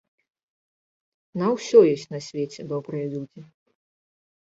На ўсё ёсць на свеце добрыя людзі!